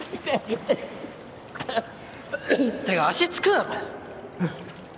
ってか足つくだろ。